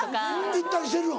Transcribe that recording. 行ったりしてるの？